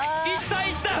１対１だ！